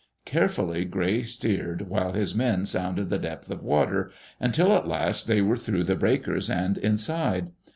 Carefully Gray steered while his men sounded the depth of water, until at last they were through the breakers and inside.